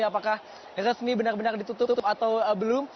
apakah resmi benar benar ditutup atau belum